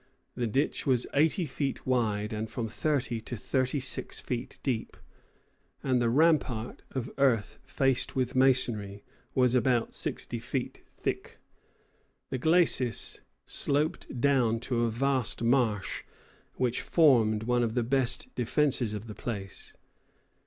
The ditch was eighty feet wide and from thirty to thirty six feet deep; and the rampart, of earth faced with masonry, was about sixty feet thick. The glacis sloped down to a vast marsh, which formed one of the best defences of the place.